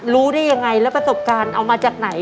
รู้ได้ยังไงแล้วประสบการณ์เอามาจากไหน